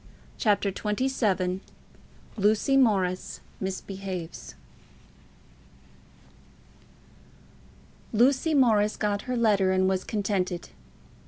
CHAPTER XXVII Lucy Morris Misbehaves Lucy Morris got her letter and was contented.